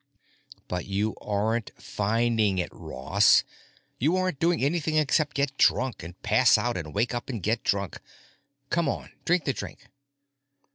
"But you aren't finding it, Ross. You aren't doing anything except get drunk and pass out and wake up and get drunk. Come on, drink the drink."